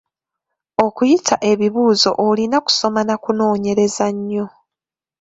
Okuyita ebibuuzo olina kusoma n’akunoonyereza nnyo.